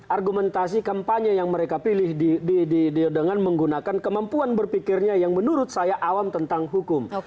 argumentasi kampanye yang mereka pilih dengan menggunakan kemampuan berpikirnya yang menurut saya awam tentang hukum